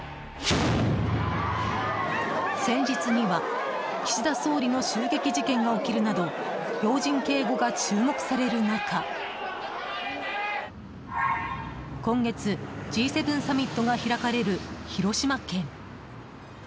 先日には岸田総理の襲撃事件が起きるなど要人警護が注目される中今月、Ｇ７サミットが開かれる広島県。